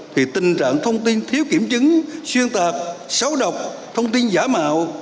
thì tình trạng thông tin thiếu kiểm chứng xuyên tạc xấu độc thông tin giả mạo